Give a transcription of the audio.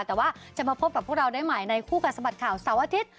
แต่ว่าจะมาพบกับพวกเราได้ใหม่ในคู่กัดสะบัดข่าวเสาร์อาทิตย์